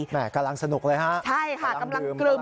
แหม่กำลังสนุกเลยฮะกำลังดื่มใช่ค่ะกำลังกลึม